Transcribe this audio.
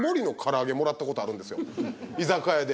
居酒屋で。